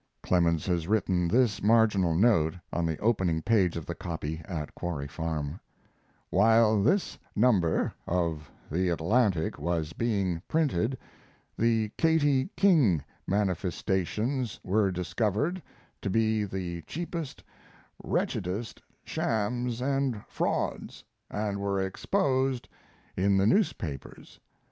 Clemens has written this marginal note on the opening page of the copy at Quarry Farm: While this number of the Atlantic was being printed the Katie King manifestations were discovered to be the cheapest, wretchedest shams and frauds, and were exposed in the newspapers.